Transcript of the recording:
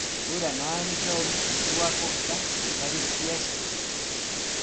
Ura naanitrawmi suqakuqta chariskiyashqa.